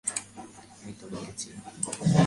আমি তোমাকে চিনি?